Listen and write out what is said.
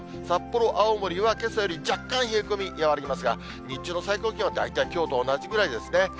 札幌、青森はけさより若干冷え込み和らぎますが、日中の最高気温は大体きょうと同じぐらいですね。